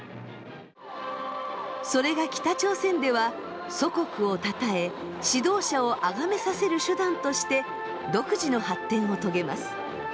それが北朝鮮では祖国を称え主導者をあがめさせる手段として独自の発展を遂げます。